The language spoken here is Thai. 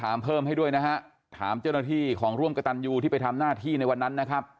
อ่ามีไทยยืนยันร้อยเปอร์เซ็นต์